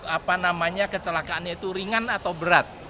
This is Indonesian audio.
apa namanya kecelakaannya itu ringan atau berat